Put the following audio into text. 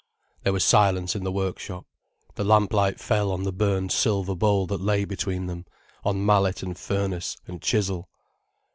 There was silence in the workshop. The lamplight fell on the burned silver bowl that lay between him, on mallet and furnace and chisel.